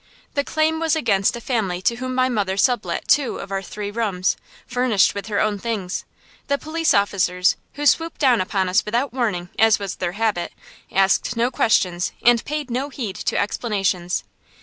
The claim was against a family to whom my mother sublet two of our three rooms, furnished with her own things. The police officers, who swooped down upon us without warning, as was their habit, asked no questions and paid no heed to explanations.